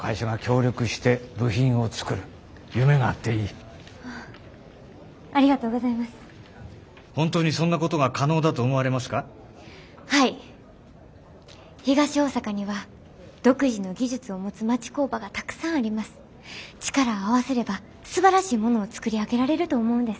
力を合わせればすばらしいものを作り上げられると思うんです。